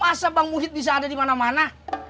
masa bang muhid bisa ada di mana mana